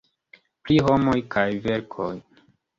Pri Homoj kaj Verkoj.